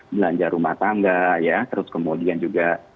belanja rumah tangga ya terus kemudian juga